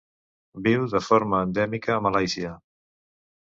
Viu de forma endèmica a Malàisia.